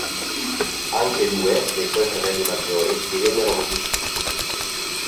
Anche due dei suoi fratelli maggiori divennero musicisti.